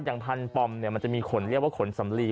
อย่างพันธ์ปอมมันจะมีขนเรียกว่าขนสำลี